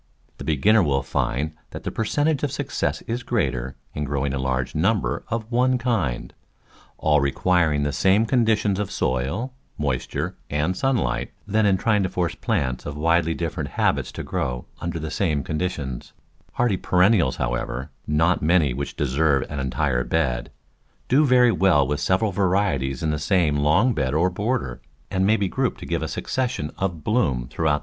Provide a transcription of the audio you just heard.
The beginner will find that the per centage of success is greater in growing a large num ber of one kind, all requiring the same conditions of soil, moisture and sunlight, than in trying to force plants of widely different habits to grow under the same conditions. Hardy perennials, however, not many of which deserve an entire bed, do very well with several varieties in the same long bed or border, and may be so grouped as to give a succession of Digitized by Google m Mi m LQBXUAGWXNAIJS ^jj*" / Ftoonrcs Loujj J&n Houtte or 7hnuifbti*.